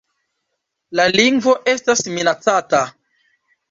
La lingvo estas minacata.